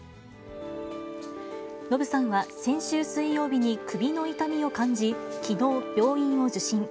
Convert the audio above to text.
ノブさんは先週水曜日に首の痛みを感じ、きのう、病院を受診。